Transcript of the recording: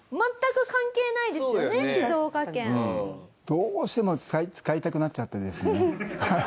どうしても使いたくなっちゃってですね。